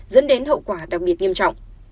dẫn đến hậu quả đặc biệt nghiêm trọng